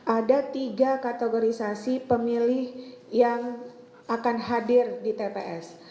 ada tiga kategorisasi pemilih yang akan hadir di tps